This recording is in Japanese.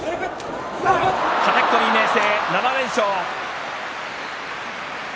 はたき込み、明生７連勝。